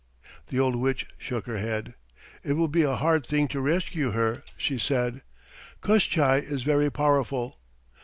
The old witch shook her head. "It will be a hard thing to rescue her," she said. "Koshchei is very powerful.